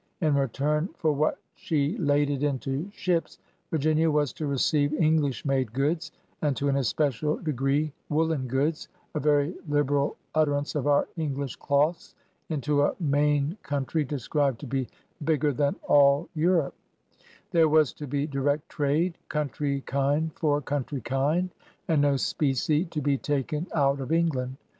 In return for what she laded into ships» Virginia was to receive English made goods, and to an especial d^ree woolen goods, a very liber all utterance of our English cloths into a maine country described to be bigger than all Europe/' There was to be direct trade, coimtry kind for country kind, and no specie to be taken out of England.